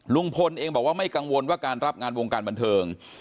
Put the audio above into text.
ลุงพลเองบอกว่าไม่กังวลว่าการรับงานวงการบันเทิง